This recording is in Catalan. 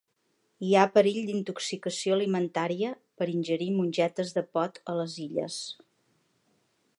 Hi ha perill d'intoxicació alimentària per ingerir mongetes de pot a les Illes